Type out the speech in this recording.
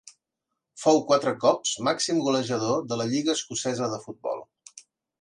Fou quatre cops màxim golejador de la lliga escocesa de futbol.